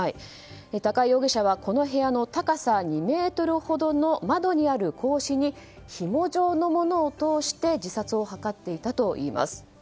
高井容疑者は、この部屋の高さ２ｍほどの窓にある格子にひも状のものを通して自殺を図っていたといいます。